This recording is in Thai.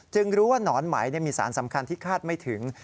รู้ว่าหนอนไหมมีสารสำคัญที่คาดไม่ถึง